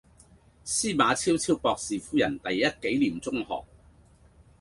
司馬昭昭博士夫人第一紀念中學